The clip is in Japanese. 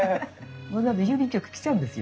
わざわざ郵便局来ちゃうんですよ。